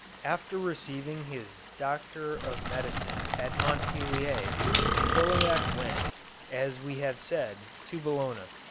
After receiving his degree of Doctor of Medicine at Montpellier Chauliac went, as we have said, to Bologna.